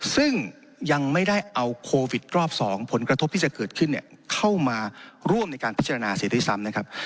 ซึ่งยังไม่ได้เอาโควิดรอบ๒ผลกระทบที่จะเกิดขึ้นเข้ามาร่วมในการพิจารณาเสียด้วยซ้ำนะครับ